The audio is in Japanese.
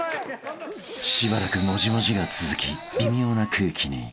［しばらくもじもじが続き微妙な空気に］